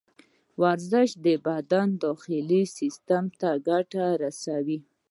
ورزش د بدن داخلي سیستم ته ګټه رسوي.